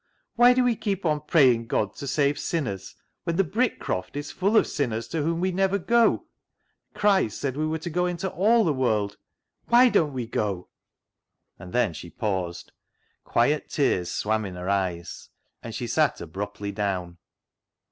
Why do we keep on praying God to save sinners when the Brick croft is full of sinners to whom we never go ? Christ said we were to go into all the world. Why don't we go ?" And then she paused, quiet tears swam in her eyes, and she sat abruptly down.